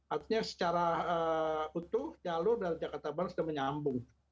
artinya secara utuh jalur dari jakarta bandung sudah menyambung